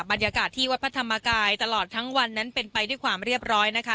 บรรยากาศที่วัดพระธรรมกายตลอดทั้งวันนั้นเป็นไปด้วยความเรียบร้อยนะคะ